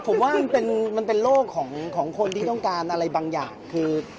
ผมว่ามันเป็นโลกของคนที่ต้องการอะไรบางอย่างคือ